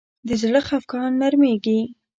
د زړه خفګان نرمېږي